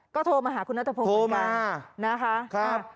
ก็โทรมาหาคุณนัตรพรมคือกันโทรมา